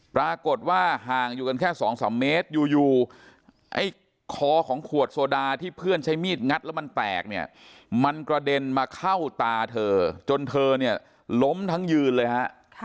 ปรากฏว่าห่างอยู่กันแค่๒๓เมตรอยู่ไอ้คอของขวดโซดาที่เพื่อนใช้มีดงัดแล้วมันแตกเนี่ยมันกระเด็นมาเข้าตาเธอจนเธอเนี่ยล้มทั้งยืนเลยฮะ